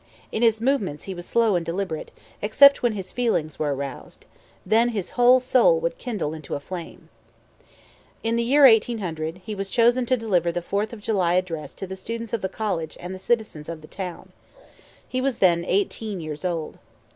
"In his movements he was slow and deliberate, except when his feelings were aroused. Then his whole soul would kindle into a flame." In the year 1800, he was chosen to deliver the Fourth of July address to the students of the college and the citizens of the town. He was then eighteen years old.